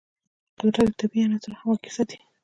قدرت د طبیعي عناصرو همغږي ساتي.